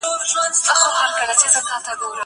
زه مخکې اوبه څښلې وې!!